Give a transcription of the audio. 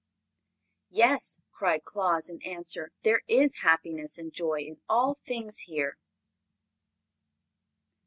"Yes!" cried Claus in answer, "there is happiness and joy in all things here.